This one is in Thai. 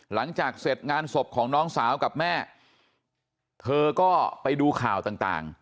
หลังจากเสร็จงานศพของน้องสาวกับแม่เธอก็ไปดูข่าวต่าง